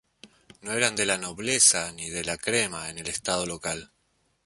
No eran de la "nobleza", ni de la "crema" en el estado local.